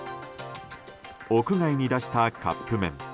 屋外に出したカップ麺。